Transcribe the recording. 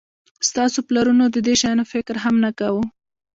ستاسو پلرونو د دې شیانو فکر هم نه کاوه